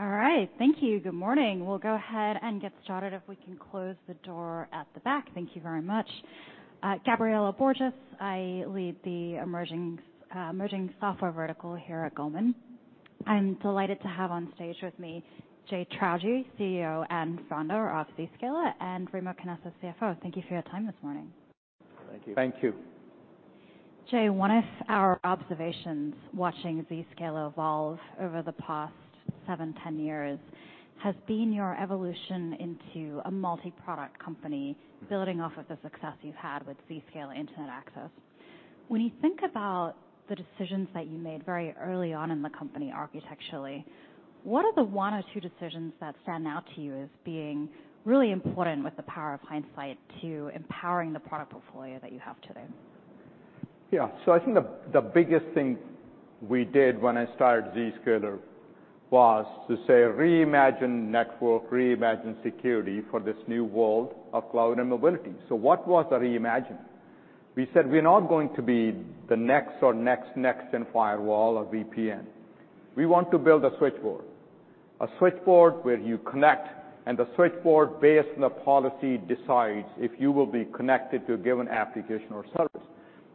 All right, thank you. Good morning. We'll go ahead and get started if we can close the door at the back. Thank you very much. Gabriela Borges, I lead the emerging software vertical here at Goldman. I'm delighted to have on stage with me, Jay Chaudhry, CEO and Founder of Zscaler, and Remo Canessa, CFO. Thank you for your time this morning. Thank you. Thank you. Jay, one of our observations watching Zscaler evolve over the past 7-10 years has been your evolution into a multi-product company, building off of the success you've had with Zscaler Internet Access. When you think about the decisions that you made very early on in the company, architecturally, what are the one or two decisions that stand out to you as being really important with the power of hindsight, to empowering the product portfolio that you have today? Yeah. So I think the, the biggest thing we did when I started Zscaler was to say, reimagine network, reimagine security for this new world of cloud and mobility. So what was the reimagining? We said, "We're not going to be the next or next, next in firewall or VPN. We want to build a switchboard. A switchboard where you connect, and the switchboard, based on the policy, decides if you will be connected to a given application or service."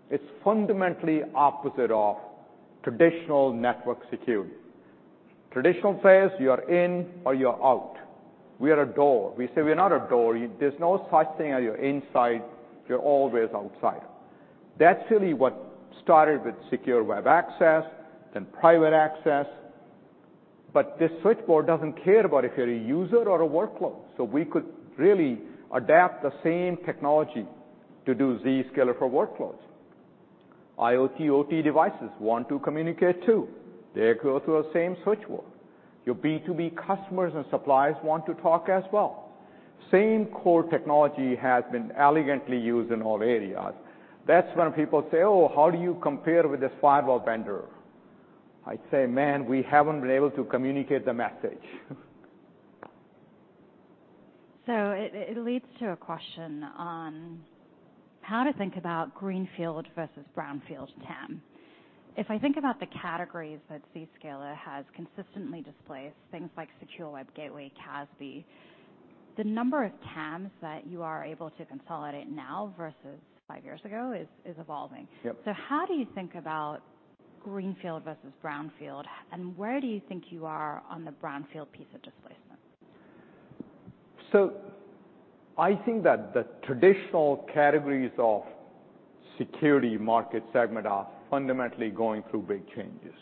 It's fundamentally opposite of traditional network security. Traditional says you are in or you are out. We are a door. We say, "We're not a door. There's no such thing as you're inside, you're always outside." That's really what started with secure web access, then Private Access. But this switchboard doesn't care about if you're a user or a workload, so we could really adapt the same technology to do Zscaler for Workloads. IoT, OT devices want to communicate too. They go through a same switchboard. Your B2B customers and suppliers want to talk as well. Same core technology has been elegantly used in all areas. That's when people say, "Oh, how do you compare with this firewall vendor?" I'd say, "Man, we haven't been able to communicate the message. So it leads to a question on how to think about greenfield versus brownfield TAM. If I think about the categories that Zscaler has consistently displaced, things like Secure Web Gateway, CASB, the number of TAMs that you are able to consolidate now versus five years ago, is evolving. Yep. How do you think about greenfield versus brownfield, and where do you think you are on the brownfield piece of displacement? So I think that the traditional categories of security market segment are fundamentally going through big changes.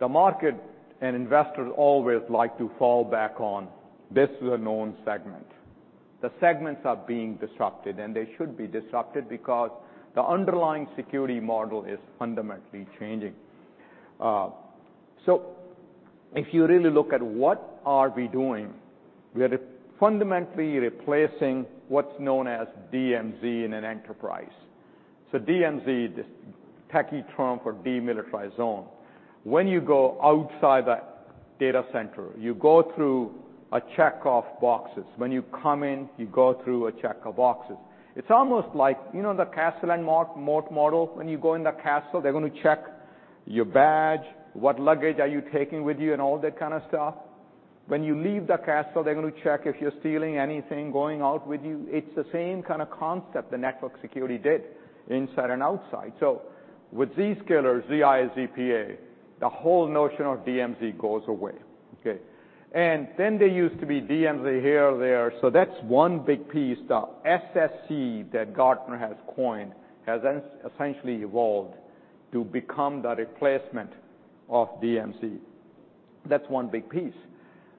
The market and investors always like to fall back on, this is a known segment. The segments are being disrupted, and they should be disrupted because the underlying security model is fundamentally changing. So if you really look at what are we doing, we are fundamentally replacing what's known as DMZ in an enterprise. So DMZ, this techie term for demilitarized zone. When you go outside the data center, you go through a check-off boxes. When you come in, you go through a check of boxes. It's almost like, you know, the castle and moat model. When you go in the castle, they're going to check your badge, what luggage are you taking with you, and all that kind of stuff. When you leave the castle, they're going to check if you're stealing anything, going out with you. It's the same kind of concept the network security did inside and outside. So with Zscaler, ZIA, ZPA, the whole notion of DMZ goes away, okay? And then there used to be DMZ here or there. So that's one big piece. The SSE that Gartner has coined has essentially evolved to become the replacement of DMZ. That's one big piece.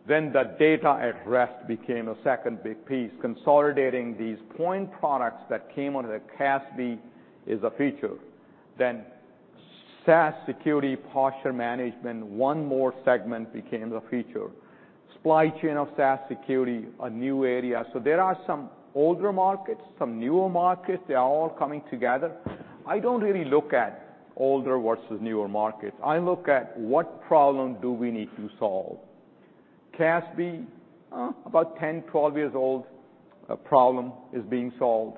Then the data at rest became a second big piece. Consolidating these point products that came under the CASB is a feature. Then SaaS security, posture management, one more segment became the feature. Supply chain of SaaS security, a new area. So there are some older markets, some newer markets, they are all coming together. I don't really look at older versus newer markets. I look at what problem do we need to solve? CASB, about 10, 12 years old, a problem is being solved.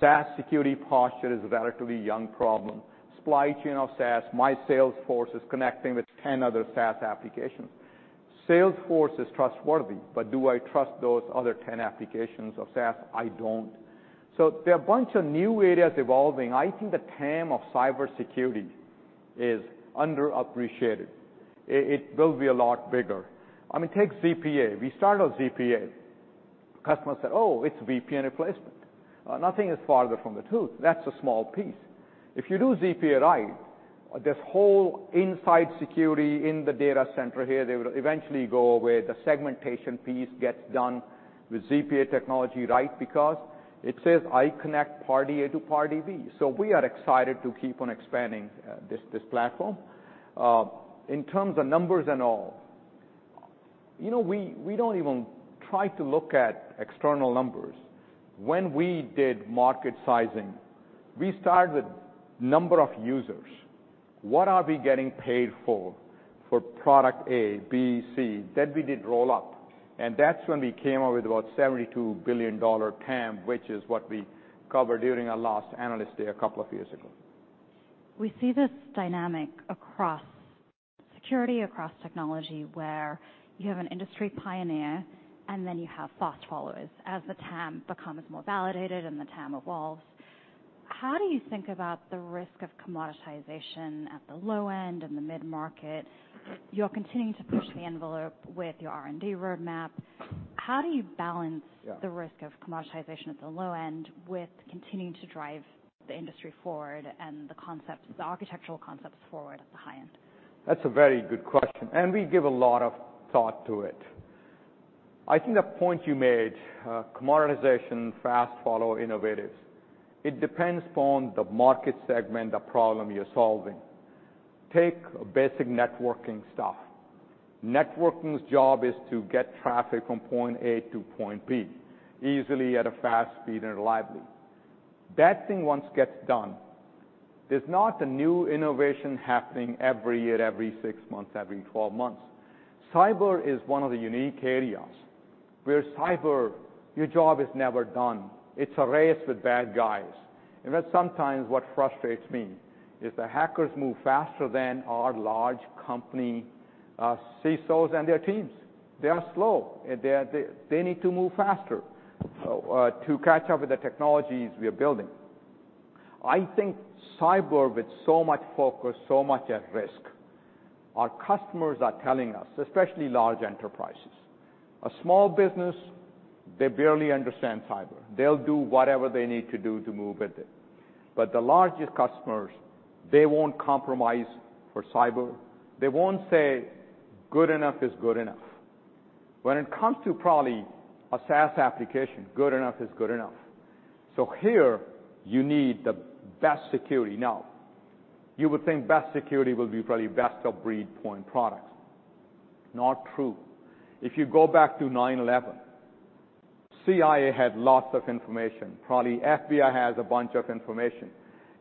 SaaS security posture is a relatively young problem. Supply chain of SaaS, my Salesforce is connecting with 10 other SaaS applications. Salesforce is trustworthy, but do I trust those other 10 applications of SaaS? I don't. So there are a bunch of new areas evolving. I think the TAM of cybersecurity is underappreciated. It, it will be a lot bigger. I mean, take ZPA. We started with ZPA. Customers said: "Oh, it's VPN replacement." Nothing is farther from the truth. That's a small piece. If you do ZPA right, this whole inside security in the data center here, they will eventually go away. The segmentation piece gets done with ZPA technology, right, because it says, I connect party A to party B. So we are excited to keep on expanding this platform. In terms of numbers and all, you know, we don't even try to look at external numbers. When we did market sizing, we started with number of users. What are we getting paid for product A, B, C? Then we did roll up. And that's when we came up with about $72 billion TAM, which is what we covered during our last Analyst Day, a couple of years ago. We see this dynamic across security, across technology, where you have an industry pioneer, and then you have fast followers. As the TAM becomes more validated and the TAM evolves, how do you think about the risk of commoditization at the low end and the mid-market? You're continuing to push the envelope with your R&D roadmap. How do you balance- Yeah. the risk of commoditization at the low end, with continuing to drive the industry forward and the concepts, the architectural concepts forward at the high end? That's a very good question, and we give a lot of thought to it. I think the point you made, commoditization, fast follow, innovative. It depends upon the market segment, the problem you're solving. Take a basic networking stuff. Networking's job is to get traffic from point A to point B, easily, at a fast speed, and reliably. That thing, once gets done, there's not a new innovation happening every year, every six months, every twelve months. Cyber is one of the unique areas, where cyber, your job is never done. It's a race with bad guys. And that's sometimes what frustrates me, is the hackers move faster than our large company, CISOs and their teams. They are slow, and they need to move faster, to catch up with the technologies we are building. I think cyber, with so much focus, so much at risk, our customers are telling us, especially large enterprises. A small business, they barely understand cyber. They'll do whatever they need to do to move with it. But the largest customers, they won't compromise for cyber. They won't say, "Good enough is good enough." When it comes to probably a SaaS application, good enough is good enough. So here you need the best security. Now, you would think best security will be probably best of breed point products. Not true. If you go back to 9/11, CIA had lots of information, probably FBI has a bunch of information,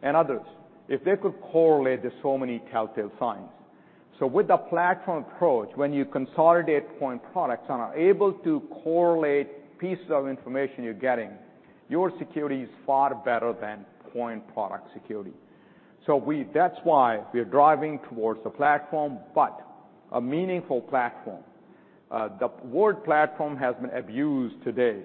and others, if they could correlate the so many telltale signs. So with the platform approach, when you consolidate point products and are able to correlate pieces of information you're getting, your security is far better than point product security. So we—that's why we are driving towards the platform, but a meaningful platform. The word platform has been abused today.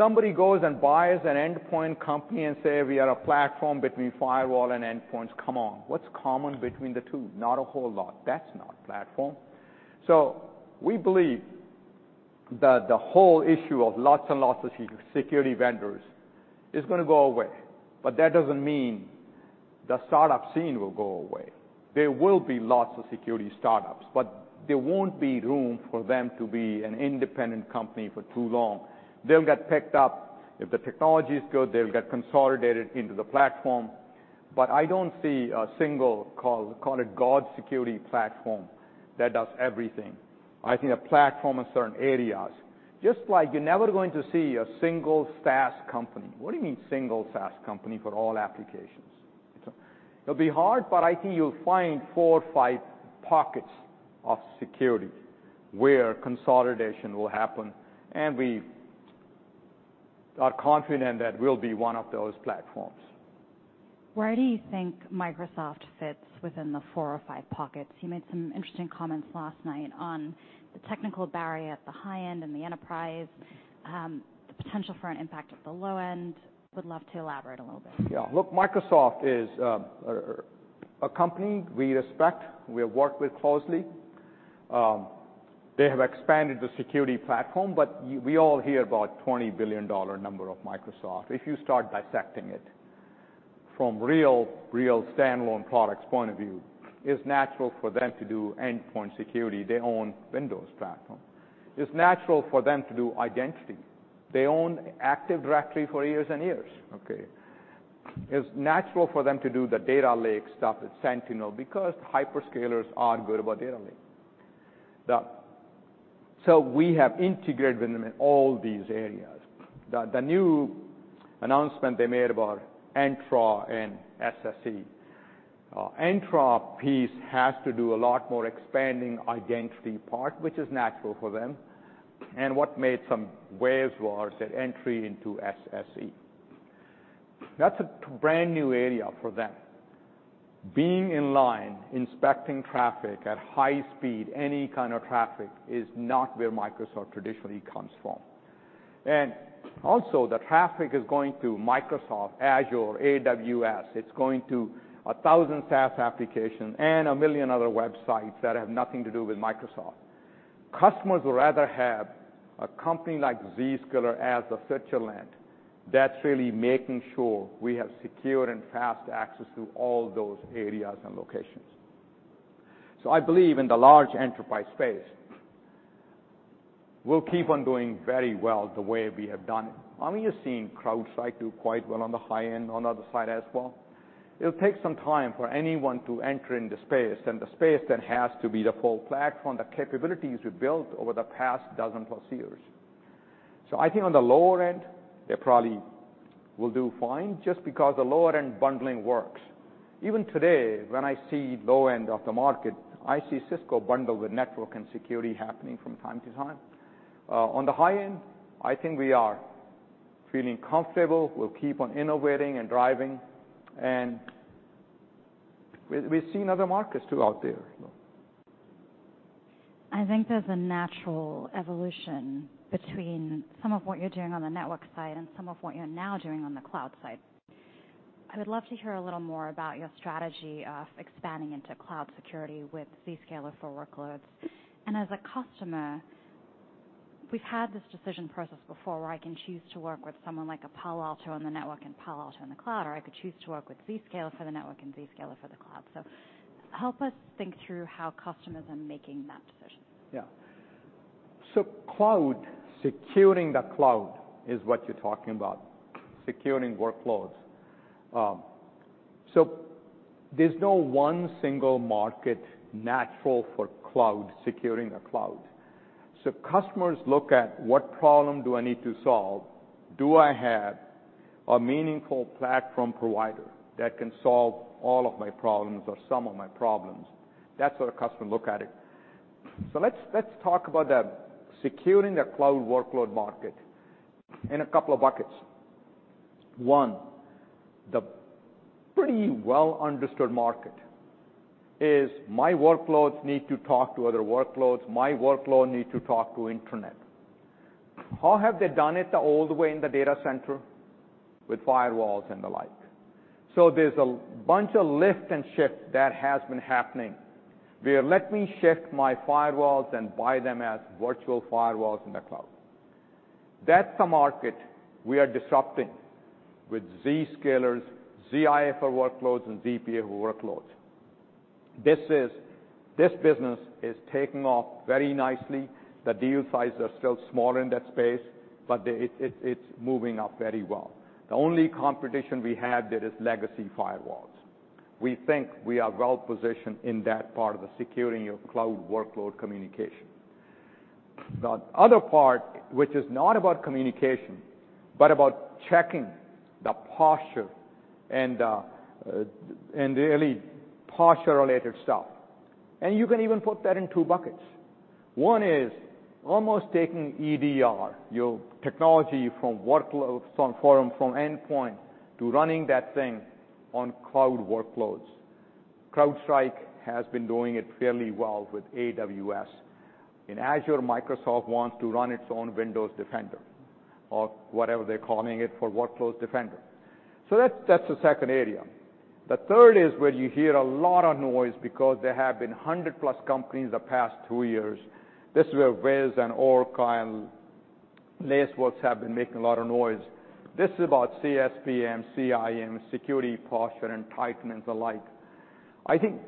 Somebody goes and buys an endpoint company and say, "We are a platform between firewall and endpoints." Come on, what's common between the two? Not a whole lot. That's not platform. So we believe that the whole issue of lots and lots of security vendors is gonna go away, buw that doesn't mean the startup scene will go away. There will be lots of security startups, but there won't be room for them to be an independent company for too long. They'll get picked up. If the technology is good, they'll get consolidated into the platform. But I don't see a single, call it god security platform, that does everything. I think a platform in certain areas. Just like you're never going to see a single SaaS company. What do you mean single SaaS company for all applications? It'll be hard, but I think you'll find four or five pockets of security where consolidation will happen, and we are confident that we'll be one of those platforms. Where do you think Microsoft fits within the four or five pockets? You made some interesting comments last night on the technical barrier at the high end and the enterprise, the potential for an impact at the low end. Would love to elaborate a little bit. Yeah. Look, Microsoft is a company we respect, we have worked with closely. They have expanded the security platform, but we all hear about $20 billion number of Microsoft. If you start dissecting it from real, real standalone products point of view, it's natural for them to do endpoint security. They own Windows platform. It's natural for them to do identity. They own Active Directory for years and years, okay? It's natural for them to do the data lake stuff at Sentinel, because hyperscalers are good about data lake. So we have integrated with them in all these areas. The new announcement they made about Entra and SSE. Entra piece has to do a lot more expanding identity part, which is natural for them, and what made some waves was the entry into SSE. That's a brand-new area for them. Being in line, inspecting traffic at high speed, any kind of traffic, is not where Microsoft traditionally comes from. Also, the traffic is going to Microsoft, Azure, AWS; it's going to 1,000 SaaS applications and a million other websites that have nothing to do with Microsoft. Customers would rather have a company like Zscaler, as a trusted brand, that's really making sure we have secure and fast access to all those areas and locations. So I believe in the large enterprise space, we'll keep on doing very well, the way we have done it. I mean, you're seeing CrowdStrike do quite well on the high end, on the other side as well. It'll take some time for anyone to enter in the space, and the space that has to be the full platform, the capabilities we built over the past 12-plus years.... So I think on the lower end, they probably will do fine just because the lower end bundling works. Even today, when I see lod end of the market, I see Cisco bundle with network and security happening from time to time. On the high end, I think we are feeling comfortable. We'll keep on innovating and driving, and we've seen other markets, too, out there. I think there's a natural evolution between some of what you're doing on the network side and some of what you're now doing on the cloud side. I would love to hear a little more about your strategy of expanding into cloud security with Zscaler for Workloads. As a customer, we've had this decision process before, where I can choose to work with someone like a Palo Alto on the network and Palo Alto on the cloud, or I could choose to work with Zscaler for the network and Zscaler for the cloud. So help us think through how customers are making that decision. Yeah. So cloud, securing the cloud is what you're talking about, securing workloads. So there's no one single market natural for cloud, securing a cloud. So customers look at what problem do I need to solve? Do I have a meaningful platform provider that can solve all of my problems or some of my problems? That's how the customer look at it. So let's talk about the securing the cloud workload market in a couple of buckets. One, the pretty well understood market is my workloads need to talk to other workloads, my workload need to talk to internet. How have they done it the old way in the data center? With firewalls and the like. So there's a bunch of lift and shift that has been happening, where let me shift my firewalls and buy them as virtual firewalls in the cloud. That's the market we are disrupting with Zscaler's ZIA for workloads and ZPA for workloads. This is. This business is taking off very nicely. The deal sizes are still small in that space, but they. It's, it's moving up very well. The only competition we have there is legacy firewalls. We think we are well positioned in that part of the securing your cloud workload communication. The other part, which is not about communication, but about checking the posture and and really posture-related stuff, and you can even put that in two buckets. One is almost taking EDR, your technology from workloads, from forum, from endpoint to running that thing on cloud workloads. CrowdStrike has been doing it fairly well with AWS. In Azure, Microsoft wants to run its own Windows Defender or whatever they're calling it, for Workload Defender. So that's, that's the second area. The third is where you hear a lot of noise because there have been 100-plus companies in the past 2 years. This is where Wiz and Oracle and Lacework have been making a lot of noise. This is about CSPM, CIEM, security posture, and the like. I think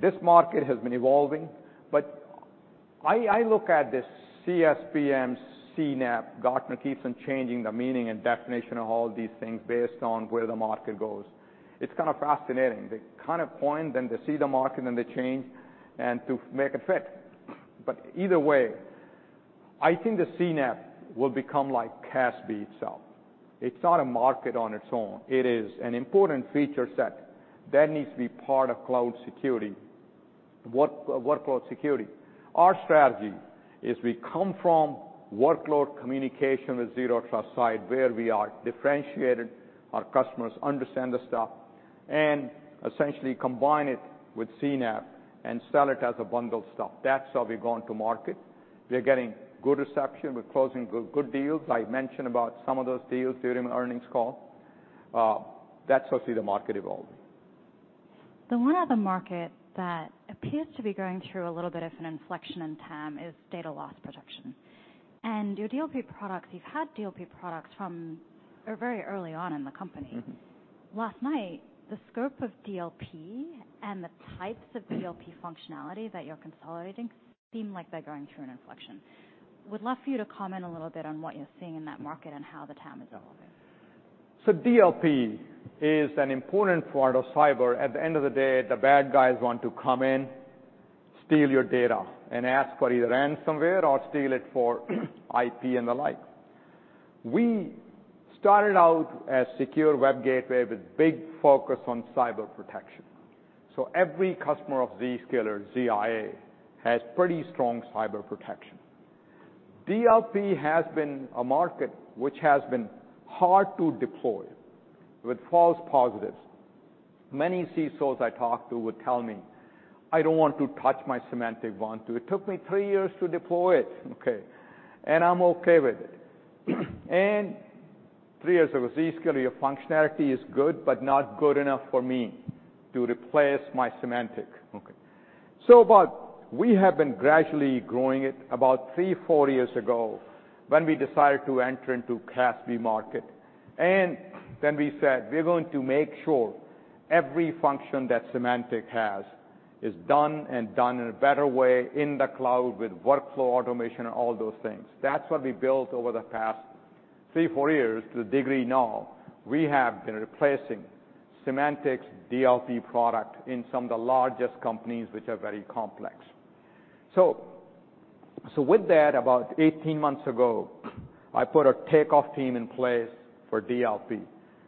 this market has been evolving, but I, I look at this CSPM, CNAPP. Gartner keeps on changing the meaning and definition of all these things based on where the market goes. It's kind of fascinating. They kind of point, then they see the market, and they change it to make it fit. But either way, I think the CNAPP will become like CASB itself. It's not a market on its own. It is an important feature set that needs to be part of cloud security, workload security. Our strategy is we come from workload communication with Zero Trust side, where we are differentiated, our customers understand the stuff, and essentially combine it with CNAPP and sell it as a bundled stuff. That's how we're going to market. We're getting good reception. We're closing good, good deals. I mentioned about some of those deals during the earnings call. That's how I see the market evolving. The one other market that appears to be going through a little bit of an inflection in time is Data Loss Prevention. Your DLP products, you've had DLP products from very early on in the company. Mm-hmm. Last night, the scope of DLP and the types of DLP functionality that you're consolidating seem like they're going through an inflection. Would love for you to comment a little bit on what you're seeing in that market and how the TAM is evolving? So DLP is an important part of cyber. At the end of the day, the bad guys want to come in, steal your data, and ask for either ransomware or steal it for IP and the like. We started out as secure web gateway with big focus on cyber protection. So every customer of Zscaler, ZIA, has pretty strong cyber protection. DLP has been a market which has been hard to deploy with false positives. Many CISOs I talk to would tell me, "I don't want to touch my Symantec one, too. It took me three years to deploy it, okay, and I'm okay with it." "And three years with Zscaler, your functionality is good, but not good enough for me to replace my Symantec." Okay. So but we have been gradually growing it about three, four years ago when we decided to enter into CASB market. And then we said: We're going to make sure every function that Symantec has is done, and done in a better way in the cloud with workflow, automation, and all those things. That's what we built over the past 2, 3, 4 years to the degree now, we have been replacing Symantec's DLP product in some of the largest companies, which are very complex. So, so with that, about 18 months ago, I put a tiger team in place for DLP.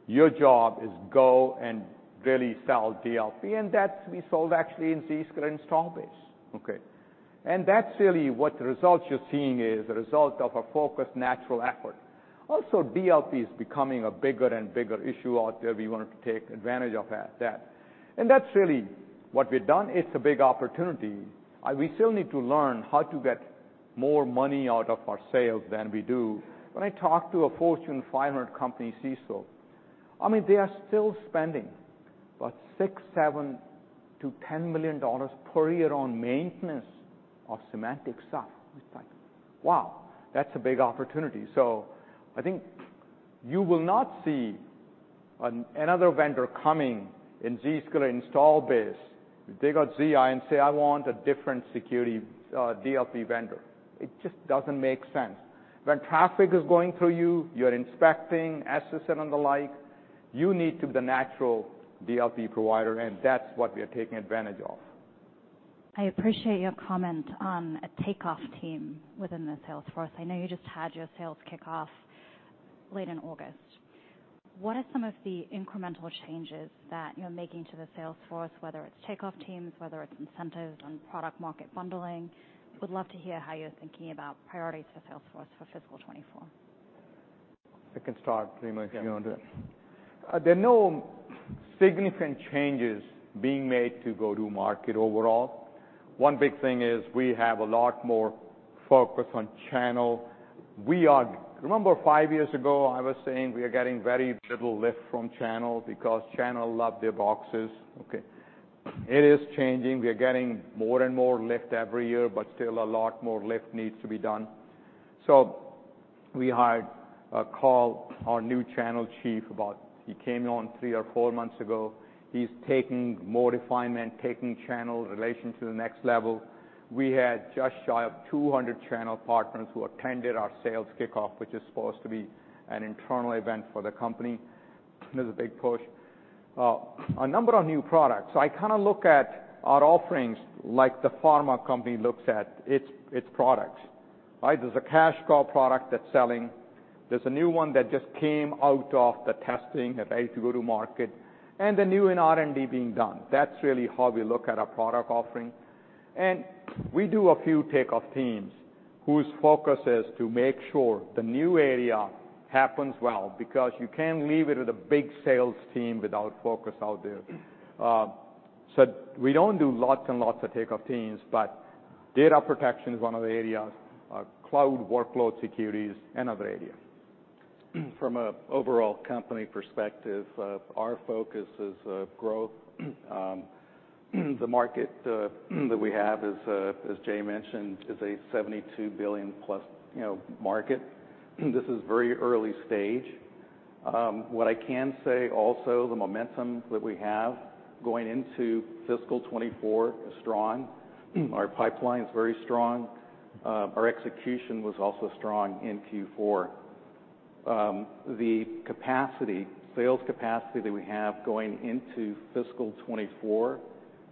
Your job is go and really sell DLP, and that we sold actually in Zscaler installed base, okay? And that's really what the results you're seeing is, the result of a focused, natural effort. Also, DLP is becoming a bigger and bigger issue out there. We wanted to take advantage of that, that. And that's really what we've done. It's a big opportunity, we still need to learn how to get more money out of our sales than we do. When I talk to a Fortune 500 company, CISO, I mean, they are still spending about $6-$10 million per year on maintenance of Symantec site. It's like, wow, that's a big opportunity! So I think you will not see another vendor coming in Zscaler install base. They got ZI and say, "I want a different security, DLP vendor." It just doesn't make sense. When traffic is going through you, you're inspecting, SSL and the like, you need to be the natural DLP provider, and that's what we are taking advantage of. I appreciate your comment on a takeoff team within the sales force. I know you just had your sales kickoff late in August. What are some of the incremental changes that you're making to the sales force, whether it's takeoff teams, whether it's incentives on product market bundling? Would love to hear how you're thinking about priorities for sales force for fiscal 2024. I can start, Remo if you want to. Yeah. There are no significant changes being made to go-to-market overall. One big thing is we have a lot more focus on channel. We are. Remember 5 years ago, I was saying we are getting very little lift from channel because channel love their boxes, okay? It is changing. We are getting more and more lift every year, but still a lot more lift needs to be done. So we hired, Karl, our new channel chief, about, he came on 3 or 4 months ago. He's taking more refinement, taking channel relation to the next level. We had just shy of 200 channel partners who attended our sales kickoff, which is supposed to be an internal event for the company. This is a big push. A number of new products. So I kind of look at our offerings like the pharma company looks at its, its products, right? There's a cash cow product that's selling. There's a new one that just came out of the testing that I had to go to market, and the new in R&D being done. That's really how we look at our product offering. And we do a few tiger teams whose focus is to make sure the new area happens well, because you can't leave it with a big sales team without focus out there. So we don't do lots and lots of tiger teams, but data protection is one of the areas, cloud workload security, another area. From an overall company perspective, our focus is growth. The market that we have is, as Jay mentioned, a $72 billion-plus, you know, market. This is very early stage. What I can say also, the momentum that we have going into fiscal 2024 is strong. Our pipeline is very strong. Our execution was also strong in Q4. The capacity, sales capacity that we have going into fiscal 2024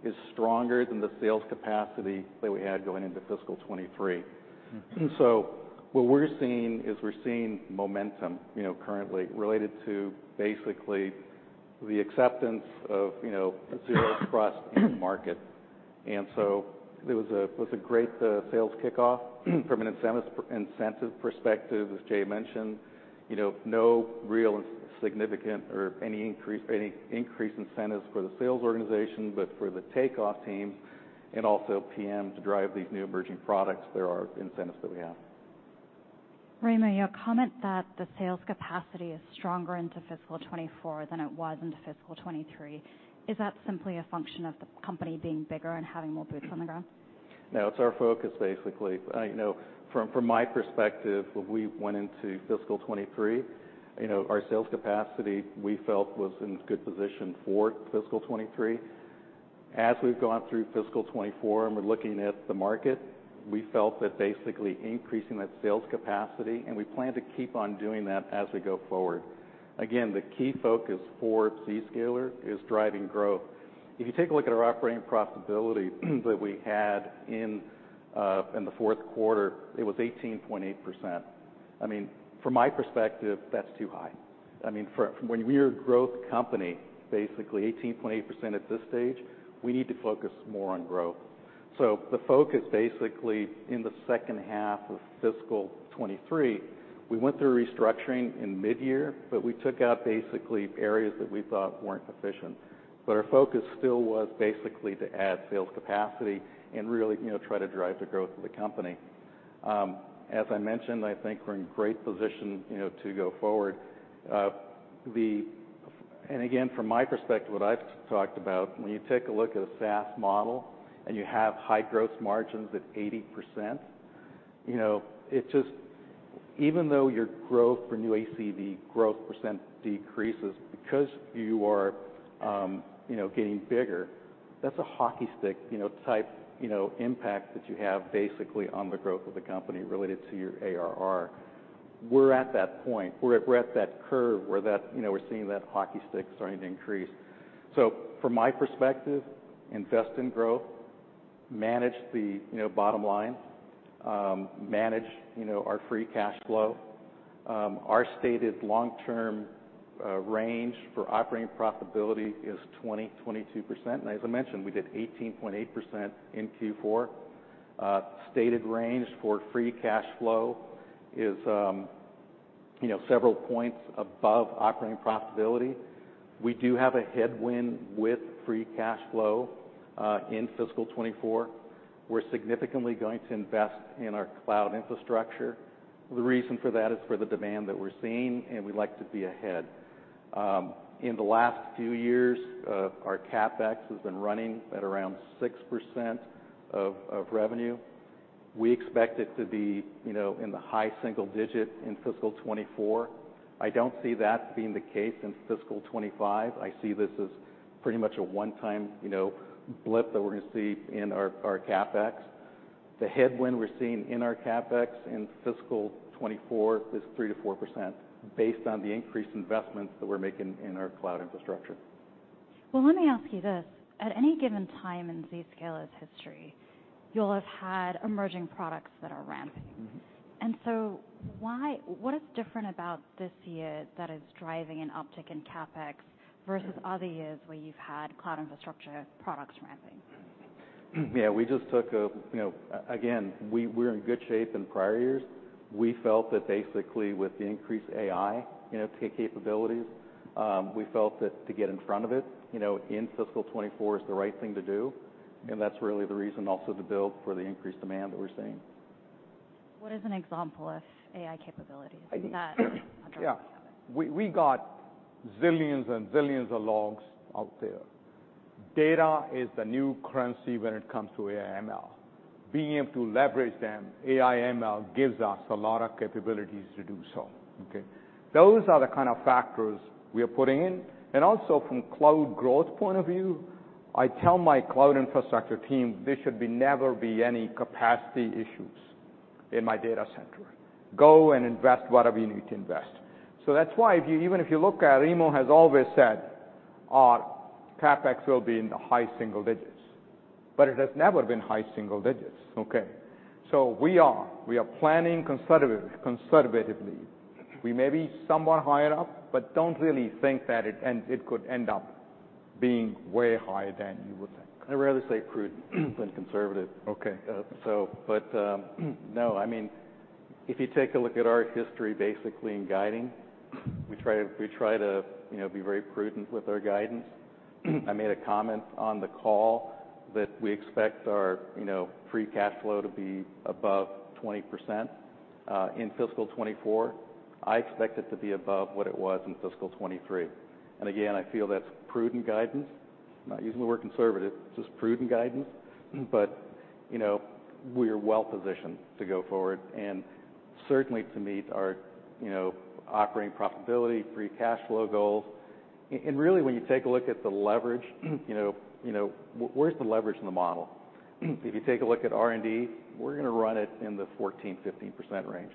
is stronger than the sales capacity that we had going into fiscal 2023. So what we're seeing is, we're seeing momentum, you know, currently related to basically the acceptance of, you know, Zero Trust in the market. And so it was a great sales kickoff. From an incentive perspective, as Jay mentioned, you know, no real significant or any increase, any increased incentives for the sales organization, but for the takeoff team and also PM to drive these new emerging products, there are incentives that we have. Raymond, your comment that the sales capacity is stronger into fiscal 2024 than it was into fiscal 2023, is that simply a function of the company being bigger and having more boots on the ground? No, it's our focus, basically. You know, from my perspective, when we went into fiscal 2023, you know, our sales capacity, we felt, was in good position for fiscal 2023. As we've gone through fiscal 2024 and we're looking at the market, we felt that basically increasing that sales capacity, and we plan to keep on doing that as we go forward. Again, the key focus for Zscaler is driving growth. If you take a look at our operating profitability that we had in the fourth quarter, it was 18.8%. I mean, from my perspective, that's too high. I mean, for when we're a growth company, basically 18.8% at this stage, we need to focus more on growth. The focus, basically, in the second half of fiscal 2023, we went through restructuring in mid-year, but we took out basically areas that we thought weren't efficient. But our focus still was basically to add sales capacity and really, you know, try to drive the growth of the company. As I mentioned, I think we're in great position, you know, to go forward. And again, from my perspective, what I've talked about, when you take a look at a SaaS model and you have high growth margins at 80%, you know, it just, even though your growth for new ACV growth percent decreases because you are, you know, getting bigger. That's a hockey stick, you know, type, you know, impact that you have basically on the growth of the company related to your ARR. We're at that point, we're at that curve where, you know, we're seeing that hockey stick starting to increase. So from my perspective, invest in growth, manage the, you know, bottom line, manage, you know, our free cash flow. Our stated long-term range for operating profitability is 22%. And as I mentioned, we did 18.8% in Q4. Stated range for free cash flow is, you know, several points above operating profitability. We do have a headwind with free cash flow in fiscal 2024. We're significantly going to invest in our cloud infrastructure. The reason for that is for the demand that we're seeing, and we like to be ahead. In the last few years, our CapEx has been running at around 6% of revenue. We expect it to be, you know, in the high single digit in fiscal 2024. I don't see that being the case in fiscal 2025. I see this as pretty much a one-time, you know, blip that we're gonna see in our CapEx. The headwind we're seeing in our CapEx in fiscal 2024 is 3%-4%, based on the increased investments that we're making in our cloud infrastructure. Well, let me ask you this: at any given time in Zscaler's history, you'll have had emerging products that are ramping. Mm-hmm. What is different about this year that is driving an uptick in CapEx versus other years where you've had cloud infrastructure products ramping? Yeah, we just took a, you know. Again, we're in good shape in prior years. We felt that basically with the increased AI, you know, capabilities, we felt that to get in front of it, you know, in fiscal 2024 is the right thing to do, and that's really the reason also to build for the increased demand that we're seeing. What is an example of AI capabilities that- Yeah. Okay. We, we got zillions and zillions of logs out there. Data is the new currency when it comes to AI, ML. Being able to leverage them, AI, ML, gives us a lot of capabilities to do so, okay? Those are the kind of factors we are putting in. And also from cloud growth point of view, I tell my cloud infrastructure team there should never be any capacity issues in my data center. "Go and invest whatever you need to invest." So that's why if you, even if you look at, Remo has always said our CapEx will be in the high single digits, but it has never been high single digits, okay? So we are, we are planning conservatively. We may be somewhat higher up, but don't really think that it could end up being way higher than you would think. I'd rather say prudent than conservative. Okay. So, but, no, I mean, if you take a look at our history, basically, in guiding, we try to, we try to, you know, be very prudent with our guidance. I made a comment on the call that we expect our, you know, free cash flow to be above 20% in fiscal 2024. I expect it to be above what it was in fiscal 2023. And again, I feel that's prudent guidance. Not using the word conservative, just prudent guidance. But, you know, we are well positioned to go forward and certainly to meet our, you know, operating profitability, free cash flow goals. And really, when you take a look at the leverage, you know, you know, where's the leverage in the model? If you take a look at R&D, we're gonna run it in the 14%-15% range.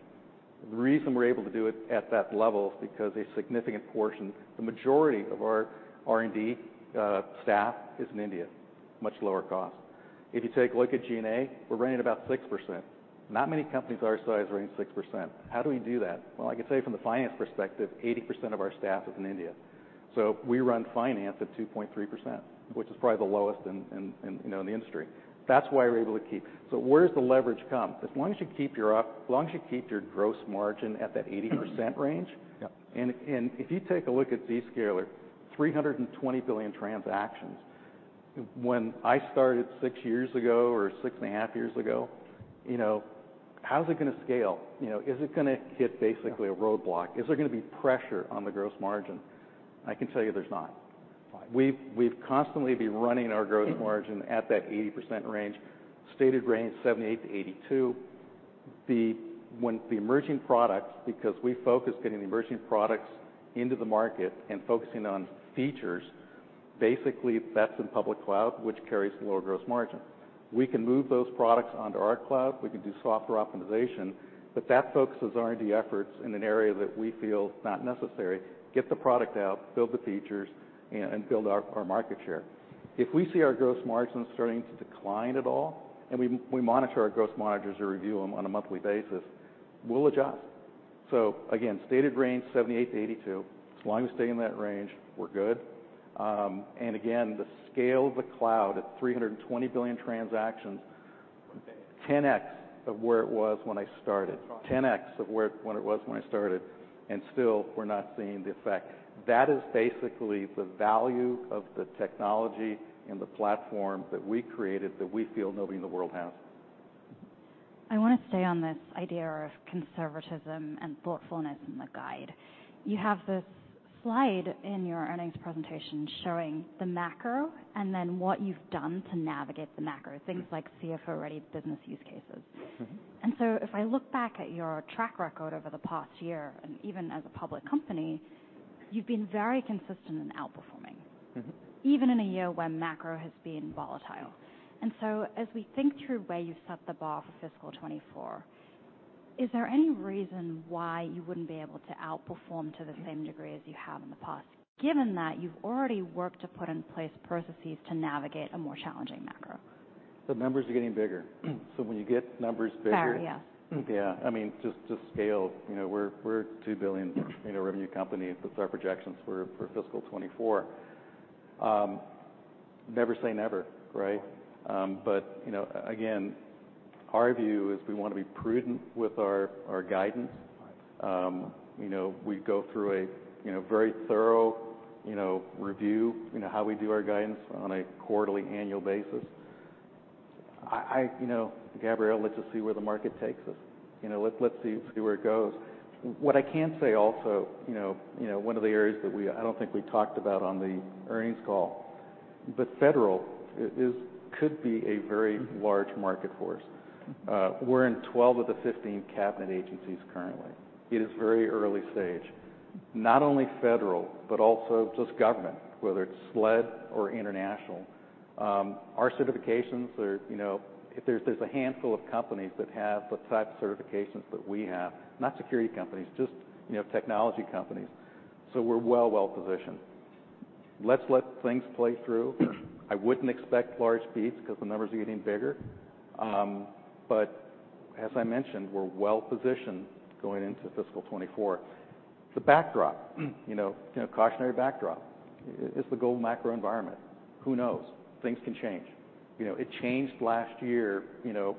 The reason we're able to do it at that level is because a significant portion, the majority of our R&D staff is in India, much lower cost. If you take a look at G&A, we're running about 6%. Not many companies our size are running 6%. How do we do that? Well, I can tell you from the finance perspective, 80% of our staff is in India, so we run finance at 2.3%, which is probably the lowest in you know in the industry. That's why we're able to keep... So where does the leverage come? As long as you keep your up, as long as you keep your gross margin at that 80% range- Yeah. If you take a look at Zscaler, 320 billion transactions. When I started 6 years ago, or 6.5 years ago, you know, how is it gonna scale? You know, is it gonna hit basically a roadblock? Yeah. Is there gonna be pressure on the gross margin? I can tell you there's not. Right. We've constantly been running our gross margin at that 80% range. Stated range, 78%-82%. The, when the emerging products, because we focus getting the emerging products into the market and focusing on features, basically that's in public cloud, which carries lower gross margin. We can move those products onto our cloud. We can do software optimization, but that focuses R&D efforts in an area that we feel is not necessary. Get the product out, build the features, and build our market share. If we see our gross margins starting to decline at all, and we, we monitor our gross margins to review them on a monthly basis, we'll adjust. So again, stated range, 78%-82%. As long as we stay in that range, we're good. And again, the scale of the cloud at 320 billion transactions, 10x of where it was when I started. 10x of where it was when I started, and still we're not seeing the effect. That is basically the value of the technology and the platform that we created, that we feel nobody in the world has. I want to stay on this idea of conservatism and thoughtfulness in the guide. You have this slide in your earnings presentation showing the macro and then what you've done to navigate the macro, things like CFO-ready business use cases. Mm-hmm. And so if I look back at your track record over the past year, and even as a public company... You've been very consistent in outperforming. Mm-hmm. Even in a year when macro has been volatile. And so as we think through where you've set the bar for fiscal 2024, is there any reason why you wouldn't be able to outperform to the same degree as you have in the past, given that you've already worked to put in place processes to navigate a more challenging macro? The numbers are getting bigger. So when you get numbers bigger- Fair, yeah. Yeah. I mean, just scale. You know, we're a $2 billion revenue company. That's our projections for fiscal 2024. Never say never, right? But, you know, again, our view is we want to be prudent with our guidance. You know, we go through a very thorough review, you know, how we do our guidance on a quarterly, annual basis. I, you know, Gabriela, let's just see where the market takes us. You know, let's see where it goes. What I can say also, you know, one of the areas that we... I don't think we talked about on the earnings call, but federal could be a very large market for us. We're in 12 of the 15 cabinet agencies currently. It is very early stage. Not only federal, but also just government, whether it's SLED or international. Our certifications are, you know, there's a handful of companies that have the type of certifications that we have. Not security companies, just, you know, technology companies. So we're well-positioned. Let's let things play through. I wouldn't expect large beats because the numbers are getting bigger. But as I mentioned, we're well positioned going into fiscal 2024. The backdrop, you know, cautionary backdrop, it's the global macro environment. Who knows? Things can change. You know, it changed last year, you know,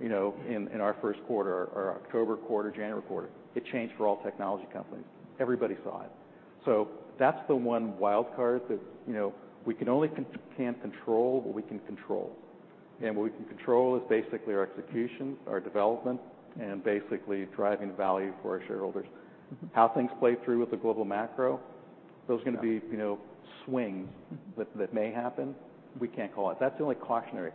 in our first quarter or October quarter, January quarter. It changed for all technology companies. Everybody saw it. So that's the one wild card that, you know, we can only can't control what we can control. What we can control is basically our execution, our development, and basically driving value for our shareholders. How things play through with the global macro, those are gonna be, you know, swings that may happen. We can't call it. That's the only cautionary.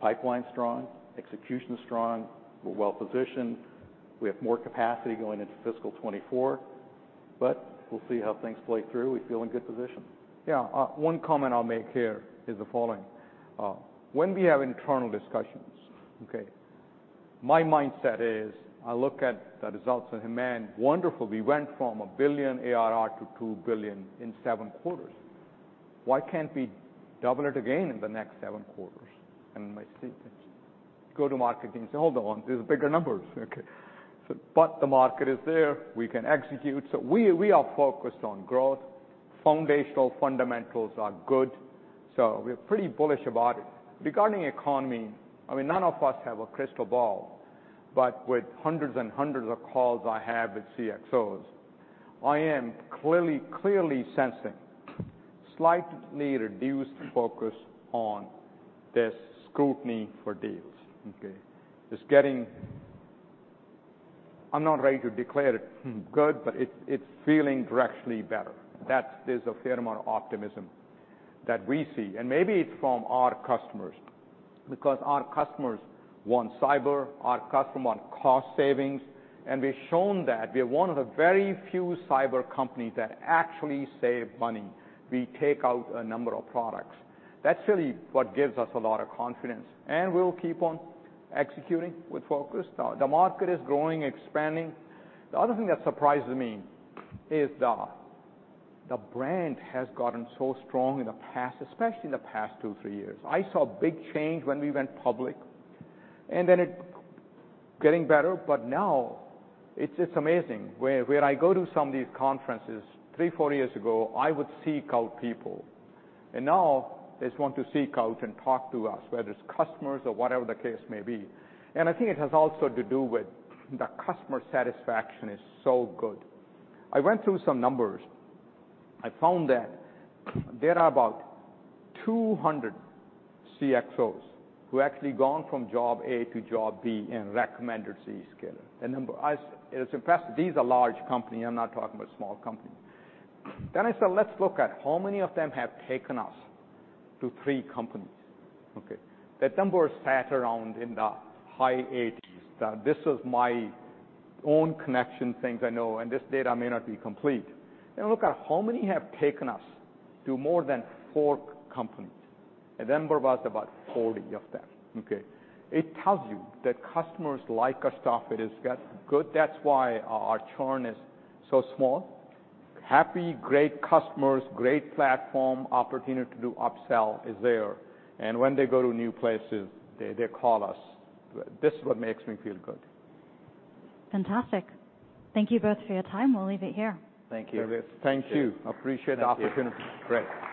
Pipeline's strong, execution is strong, we're well positioned. We have more capacity going into fiscal 2024, but we'll see how things play through. We feel in good position. Yeah, one comment I'll make here is the following. When we have internal discussions, okay, my mindset is, I look at the results and man, wonderful, we went from $1 billion ARR to $2 billion in seven quarters. Why can't we double it again in the next seven quarters? And my statements go to market and say, "Hold on, there's bigger numbers." Okay. But the market is there, we can execute. So we are focused on growth. Foundational fundamentals are good, so we're pretty bullish about it. Regarding economy, I mean, none of us have a crystal ball, but with hundreds and hundreds of calls I have with CXOs, I am clearly sensing slightly reduced focus on this scrutiny for deals, okay? It's getting... I'm not ready to declare it good, but it's feeling directionally better. That there's a fair amount of optimism that we see, and maybe it's from our customers, because our customers want cyber, our customers want cost savings, and we've shown that. We are one of the very few cyber companies that actually save money. We take out a number of products. That's really what gives us a lot of confidence, and we'll keep on executing with focus. The market is growing, expanding. The other thing that surprises me is the brand has gotten so strong in the past, especially in the past two, three years. I saw a big change when we went public, and then it getting better, but now it's just amazing. Where I go to some of these conferences, 3, 4 years ago, I would seek out people, and now they want to seek out and talk to us, whether it's customers or whatever the case may be. And I think it has also to do with the customer satisfaction is so good. I went through some numbers. I found that there are about 200 CXOs who actually gone from job A to job B and recommended Zscaler. The number—It's impressive. These are large company. I'm not talking about small company. Then I said, "Let's look at how many of them have taken us to three companies." Okay, that number sat around in the high 80s. This was my own connection, things I know, and this data may not be complete. Then I look at how many have taken us to more than 4 companies. The number was about 40 of them, okay? It tells you that customers like our stuff, it is got good. That's why our, our churn is so small. Happy, great customers, great platform, opportunity to do upsell is there, and when they go to new places, they, they call us. This is what makes me feel good. Fantastic. Thank you both for your time. We'll leave it here. Thank you. Thank you. Appreciate the opportunity. Great.